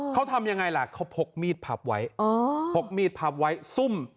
เขาทำยังไงล่ะเขาพกมีดพับไว้พกมีดพับไว้ซุ่ม